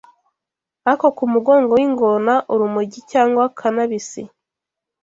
Ako ku mugongo w’ingona: urumogi cyangwa kanabisi